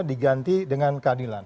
diganti dengan keadilan